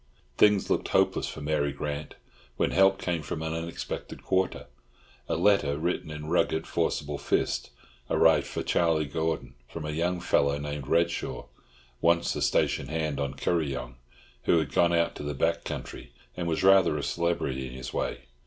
Things looked hopeless for Mary Grant, when help came from an unexpected quarter. A letter written in a rugged, forcible fist, arrived for Charlie Gordon from a young fellow named Redshaw, once a station hand on Kuryong, who had gone out to the back country and was rather a celebrity in his way.